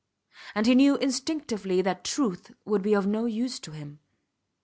And he knew instinctively that truth would be of no use to him.